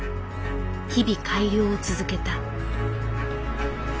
日々改良を続けた。